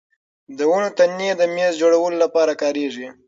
د ونو تنې د مېز جوړولو لپاره کارېږي.